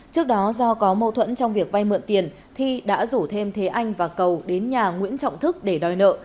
trước đó do có mâu thuẫn trong việc vay mượn tiền thi đã rủ thêm thế anh và cầu đến nhà nguyễn trọng thức để đòi nợ